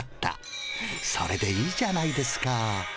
それでいいじゃないですか。